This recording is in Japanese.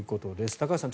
高橋さん